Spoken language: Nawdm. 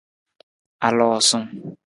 Aloosung.